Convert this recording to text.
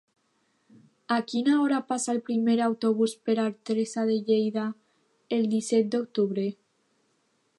A quina hora passa el primer autobús per Artesa de Lleida el disset d'octubre?